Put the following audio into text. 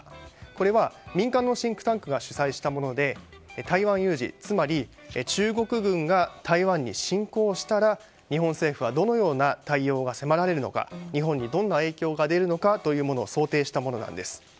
これは、民間のシンクタンクが主催したもので台湾有事、つまり中国軍が台湾に侵攻したら日本政府はどのような対応が迫られるのか日本にどんな影響が出るのかというものを想定したものです。